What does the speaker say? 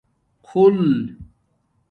خُل